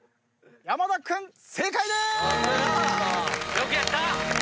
よくやった。